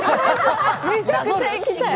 めちゃくちゃ行きたい。